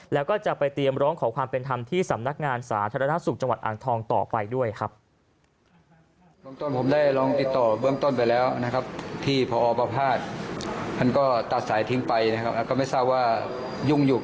แล้วก็จะไปเตรียมร้องขอความเป็นธรรมที่สำนักงานสาธารณสุขจังหวัดอ่างทองต่อไปด้วยครับ